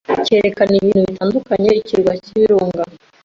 cyerekana ibintu bitandukanye Ikirwa cyibirunga